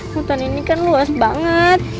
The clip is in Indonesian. hutan ini kan luas banget